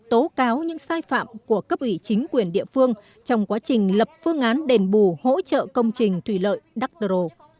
tôi tố cáo những sai phạm của cấp ủy chính quyền địa phương trong quá trình lập phương án đền bù hỗ trợ công trình thủy lợi đắk đổ